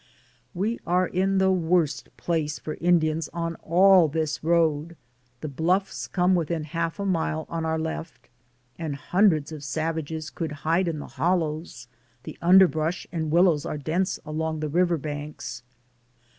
We are in the worst place for Indians on all this road. The bluffs come within half a mile on our left, and hundreds of savages 88 DAYS ON THE ROAD. could hide in the hollows; the underbrush and willows are dense along the river banks.